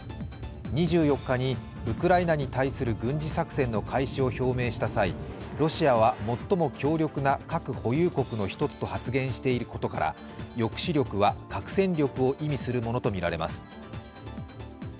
２４日にウクライナに対する軍事作戦の開始を表明した際、「ロシアは最も強力な核保有国の一つ」と発言していることから抑止力は核戦力を意味するものとみられます。